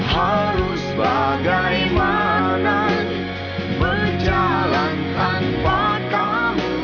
harus bagaimana berjalan tanpa kaum